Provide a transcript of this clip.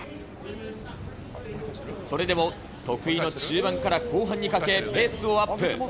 それでも得意の中盤から後半にかけ、ペースをアップ。